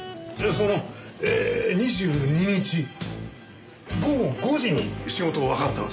その２２日午後５時に仕事を上がってます。